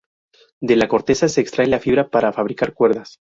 De la corteza se extrae la fibra para fabricar cuerdas.